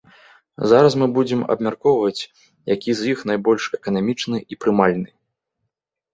Зараз мы будзем абмяркоўваць, які з іх найбольш эканамічны і прымальны.